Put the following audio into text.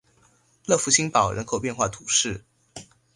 勒福新堡人口变化图示